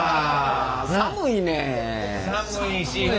寒いねん。